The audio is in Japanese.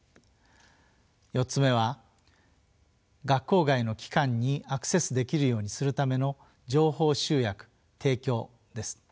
４つ目は学校外の機関にアクセスできるようにするための情報集約・提供です。